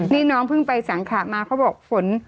นี่น้องเพิ่งไปสังขะมาเขาบอกฝน